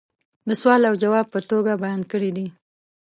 دسوال او جواب په توگه بیان کړي دي